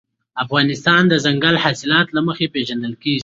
افغانستان د دځنګل حاصلات له مخې پېژندل کېږي.